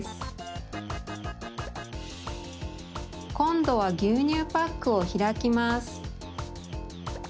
こんどはぎゅうにゅうパックをひらきます。